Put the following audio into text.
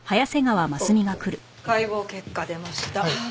解剖結果出ました。